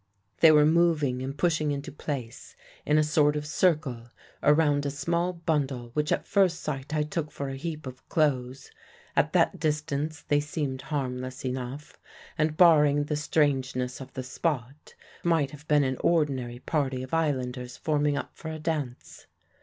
"They were moving and pushing into place in a sort of circle around a small bundle which at first sight I took for a heap of clothes. At that distance they seemed harmless enough, and, barring the strangeness of the spot, might have been an ordinary party of islanders forming up for a dance.